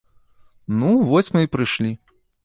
Ну, вось мы і прыйшлі.